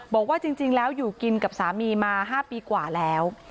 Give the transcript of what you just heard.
บอกว่าจริงแล้วอยู่กินกับสามีมา๕ปีกว่าแล้ว